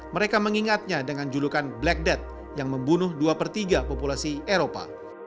mereka mengingatnya dengan julukan black death yang membunuh dua per tiga populasi eropa